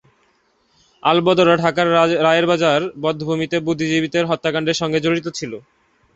আল-বদররা ঢাকার রায়েরবাজার বধ্যভূমিতে বুদ্ধিজীবীদের হত্যাকাণ্ডের সঙ্গে জড়িত ছিল।